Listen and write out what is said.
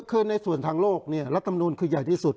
คือในส่วนทางโลกรัฐมนูลคือใหญ่ที่สุด